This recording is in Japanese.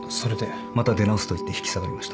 また出直すと言って引き下がりました。